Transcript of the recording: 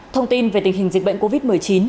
thông tin về tình hình dịch bệnh covid một mươi chín